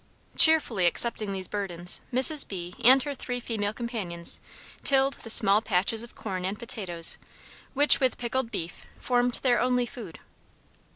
Cheerfully accepting these burdens Mrs. B and her three female companions tilled the small patches of corn and potatoes which with pickled beef formed their only food.